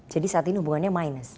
jadi saat ini hubungannya minus